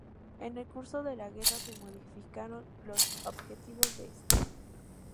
En el curso de la guerra se modificaron los objetivos de esta.